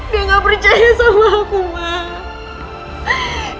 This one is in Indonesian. dia gak percaya sama aku mah